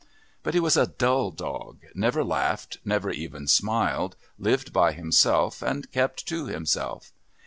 But he was a dull dog, never laughed, never even smiled, lived by himself and kept to himself.